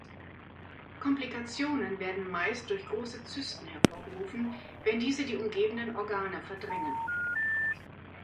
Komplikationen werden meist durch große Zysten hervorgerufen, wenn diese die umgebenden Organe verdrängen.